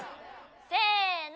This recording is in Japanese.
せの。